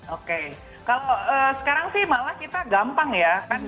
oke kalau sekarang sih malah kita gampang ya kan